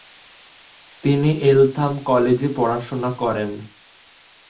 তিনি এলথাম কলেজে পড়াশোনা করেন।